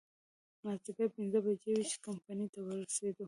مازديګر پينځه بجې وې چې کمپنۍ ته ورسېدو.